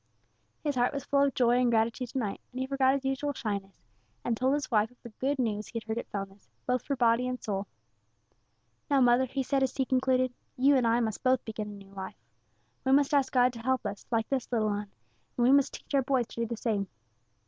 His heart was full of joy and gratitude to night, and he forgot his usual shyness, and told his wife of the good news he had heard at Fellness, both for body and soul. "Now, mother," he said, as he concluded, "you and I must both begin a new life. We must ask God to help us like this little 'un, and we must teach our boys to do the same.